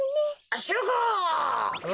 しゅうごう。